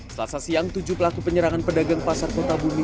selasa siang tujuh pelaku penyerangan pedagang pasar kota bumi